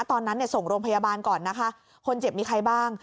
ตอนนั้นเนี่ยส่งโรงพยาบาลก่อนนะคะคนเจ็บมีใครบ้าง